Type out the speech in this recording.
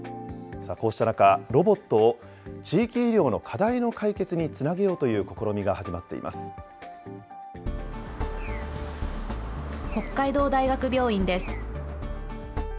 こうした中、ロボットを地域医療の課題の解決につなげようという北海道大学病院です。